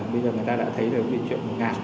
bây giờ người ta đã thấy được cái chuyện ngạc